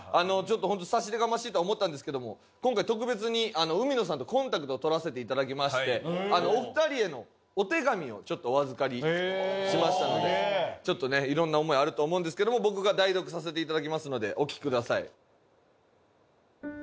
ホント差し出がましいとは思ったんですけども今回特別に海野さんとコンタクトを取らせて頂きましてお二人へのお手紙をお預かりしましたのでちょっとね色んな思いあると思うんですけども僕が代読させて頂きますのでお聞きください。